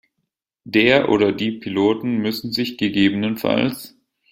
Der oder die Piloten müssen sich ggf.